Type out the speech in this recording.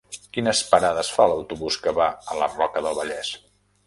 Quines parades fa l'autobús que va a la Roca del Vallès?